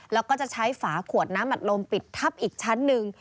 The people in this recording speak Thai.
แล้วก็จะใช้ฝาขวดน้ำอัดลมปิดทับอีกชั้นหนึ่ง